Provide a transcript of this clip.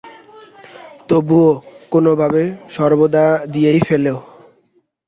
তবুও, কোনোভাবে সর্বদা দিয়েই ফেলো।